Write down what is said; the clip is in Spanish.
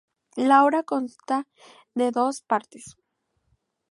La obra consta de dos partes.